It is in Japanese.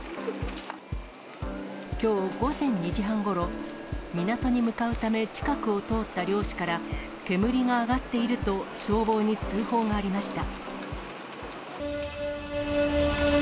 きょう午前２時半ごろ、港に向かうため、近くを通った漁師から、煙が上がっていると、消防に通報がありました。